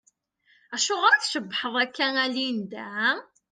Acuɣeṛ i tcebbḥeḍ akka a Linda?